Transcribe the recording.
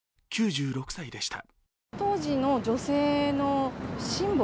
９６歳でした。